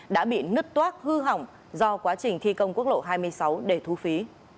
đã bị nứt toác hư hỏng do quá trình thi công quốc lộ hai mươi sáu để thu phí